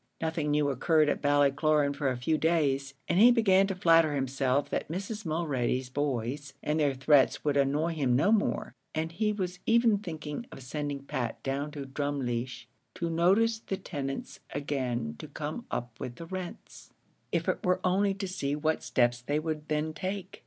Nothing new occurred at Ballycloran for a few days, and he began to flatter himself that Mrs. Mulready's boys and their threats would annoy him no more, and he was even thinking of sending Pat down to Drumleesh to notice the tenants again to come up with the rents, if it were only to see what steps they would then take.